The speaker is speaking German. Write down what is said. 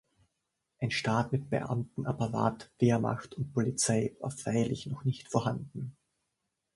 Ein Staat mit Beamtenapparat, Wehrmacht und Polizei war freilich noch nicht vorhanden.